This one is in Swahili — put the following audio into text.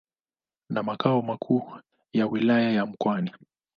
na makao makuu ya Wilaya ya Mkoani.